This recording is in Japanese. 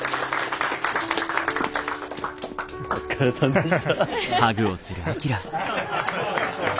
お疲れさんでした。